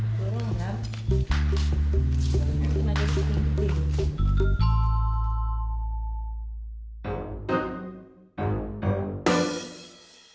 mami bawa badan sendiri aja berat